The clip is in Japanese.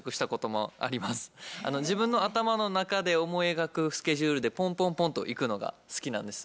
自分の頭の中で思い描くスケジュールでポンポンポンといくのが好きなんです。